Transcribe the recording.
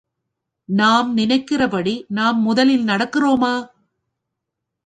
நாம் நினைக்கிறபடி நாம் முதலில் நடக்கிறோமா?